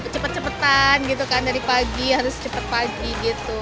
cepet cepetan gitu kan dari pagi harus cepet pagi gitu